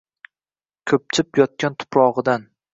Ko‘pchib yotgan tuprog‘idan